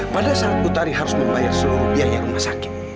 pada saat utari harus membayar seluruh biaya rumah sakit